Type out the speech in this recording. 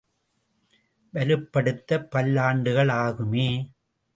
வலுப்படுத்த, பல்லாண்டுகள் ஆகுமே!